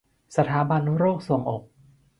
สถาบันโรคทรวงอก